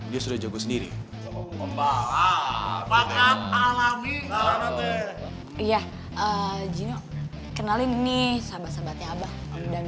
dia sudah jago sendiri pakat alami ya jenuk kenalin nih sahabat sahabatnya abah dan